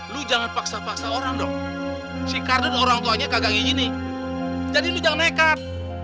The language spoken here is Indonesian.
lu jangan paksa paksa orang dong si karden orang tuanya kagak kayak gini jadi lu jangan nekat